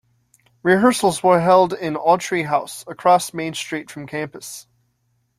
Rehearsals were held in Autry House, across Main Street from campus.